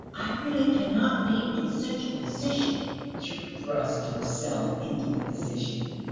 I really cannot be in such a position!..." "You thrust yourself into the position.